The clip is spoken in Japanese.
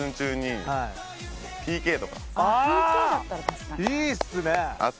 ああいいっすね！